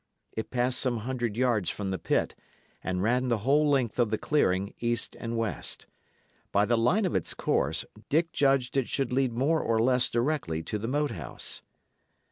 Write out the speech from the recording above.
It passed some hundred yards from the pit, and ran the whole length of the clearing, east and west. By the line of its course, Dick judged it should lead more or less directly to the Moat House.